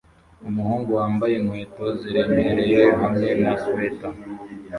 Umuhungu wambaye inkweto ziremereye hamwe na swater